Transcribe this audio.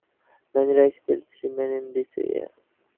Many rice fields remain in this area.